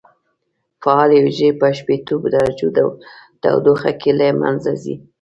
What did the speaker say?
فعالې حجرې په شپېتو درجو تودوخه کې له منځه ځي.